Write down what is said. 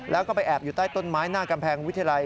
แล้วก็ไปแอบอยู่ใต้ต้นไม้หน้ากำแพงวิทยาลัย